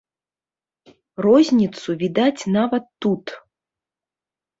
Розніцу відаць нават тут.